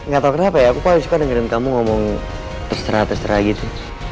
gak tau kenapa ya aku paling suka dengerin kamu ngomong terserah terserah gitu